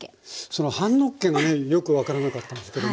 その半のっけがねよく分からなかったんですけども。